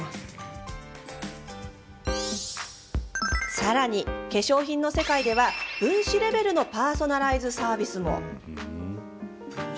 さらに、化粧品の世界では分子レベルのパーソナライズサービスも。